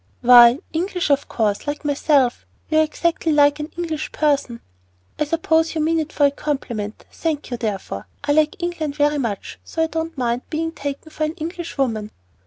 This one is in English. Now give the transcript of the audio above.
"Why, English of course, like myself. You are exactly like an English person." "I suppose you mean it for a compliment; thank you, therefore. I like England very much, so I don't mind being taken for an English woman."